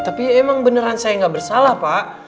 tapi emang beneran saya nggak bersalah pak